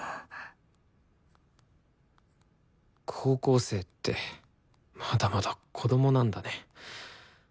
高校生ってまだまだ子供なんだね。